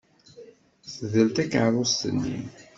Tdel takeṛṛust-nni.